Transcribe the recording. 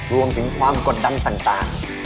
รวมถึงความกดดันต่าง